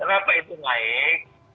kenapa itu naik